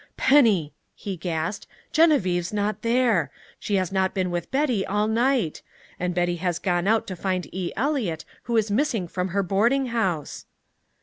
"Penny," he gasped, "Genevieve's not there! She has not been with Betty all night. And Betty has gone out to find E. Eliot, who is missing from her boarding house!"